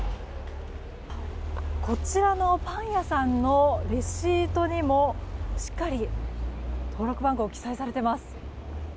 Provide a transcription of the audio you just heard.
こちらのパン屋さんのレシートにもしっかり登録番号記載されています。